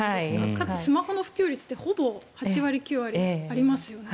かつスマホの普及率ってほぼ８割、９割ありますよね。